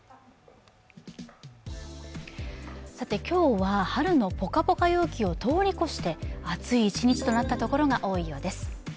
今日は、春のポカポカ陽気を通り越して暑い一日となったところが多いようです。